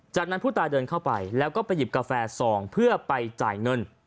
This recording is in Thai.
จากนั้นผู้ตายเดินเข้าไปแล้วก็ไปหยิบกาแฟซองเพื่อไปจ่ายเงิน